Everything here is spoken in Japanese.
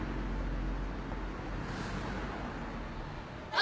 ・あ！